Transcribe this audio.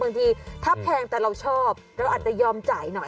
บางทีถ้าแพงแต่เราชอบเราอาจจะยอมจ่ายหน่อย